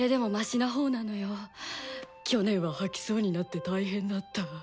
去年は吐きそうになって大変だった。